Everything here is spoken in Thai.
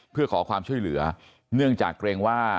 เพื่อขอความช่วยเหลือเนื่องจากเกรงว่า